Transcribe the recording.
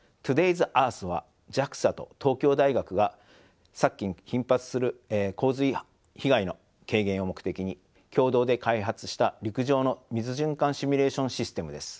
’ｓＥａｒｔｈはＪＡＸＡと東京大学が昨今頻発する洪水被害の軽減を目的に共同で開発した陸上の水循環シミュレーションシステムです。